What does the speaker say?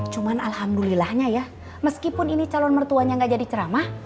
cuman alhamdulillahnya ya meskipun ini calon mertuanya nggak jadi ceramah